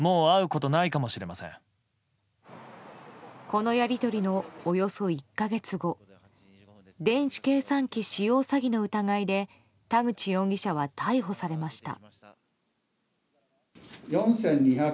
このやり取りのおよそ１か月後電子計算機使用詐欺の疑いで田口容疑者は逮捕されました。